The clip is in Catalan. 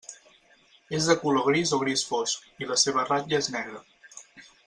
És de color gris o gris fosc, i la seva ratlla és negra.